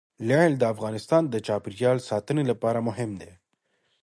لعل د افغانستان د چاپیریال ساتنې لپاره مهم دي.